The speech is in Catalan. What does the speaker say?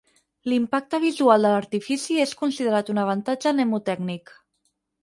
L'impacte visual de l'artifici és considerat un avantatge mnemotècnic.